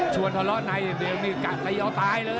ชวนทะเลาะในมีกระต่ายออกตายเลย